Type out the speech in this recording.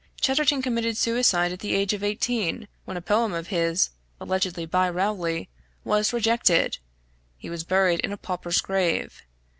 Chatterton committed suicide at the age of 18 when a poem of his, allegedly by Rowley, was rejected; he was buried in a pauper's grave.